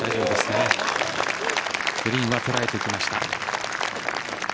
グリーンは捉えてきました。